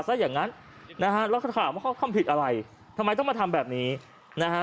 ซะอย่างงั้นนะฮะแล้วเขาถามว่าเขาทำผิดอะไรทำไมต้องมาทำแบบนี้นะฮะ